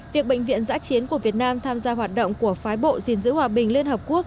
việc bệnh viện giã chiến của việt nam tham gia hoạt động của phái bộ gìn giữ hòa bình liên hợp quốc